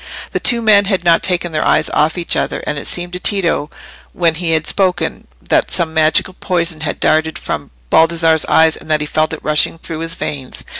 The two men had not taken their eyes off each other, and it seemed to Tito, when he had spoken, that some magical poison had darted from Baldassarre's eyes, and that he felt it rushing through his veins.